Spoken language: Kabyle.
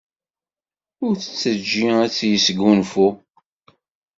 Ur t-teǧǧi ad yesgunfu.